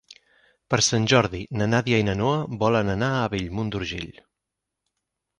Per Sant Jordi na Nàdia i na Noa volen anar a Bellmunt d'Urgell.